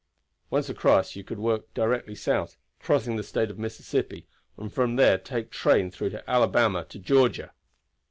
Once across you could work directly south, crossing into the State of Mississippi, and from there take train through Alabama to Georgia.